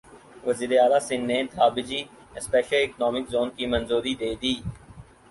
وزیراعلی سندھ نے Dhabeji special economic zone کی منظوری دیدی